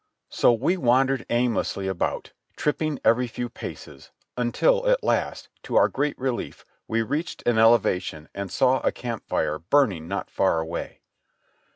So we wandered aimlessly about, tripping every few paces, until at last, to our great relief, we reached an elevation and saw a camp fire burning not far away.